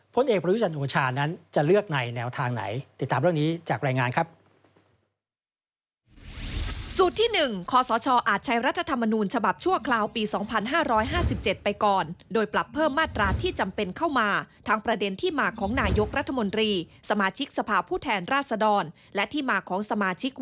พ้นเอกประวัติศาสตร์หัวชาวนั้นจะเลือกในแนวทางไหน